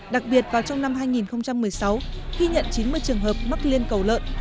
đặc biệt vào trong năm hai nghìn một mươi sáu ghi nhận chín mươi trường hợp mắc liên cầu lợn